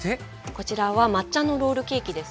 こちらは抹茶のロールケーキですね。